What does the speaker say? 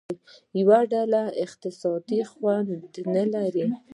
یوه ډله اقتصادي خوند نه لري.